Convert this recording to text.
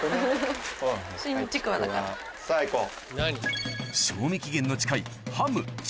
さぁいこう。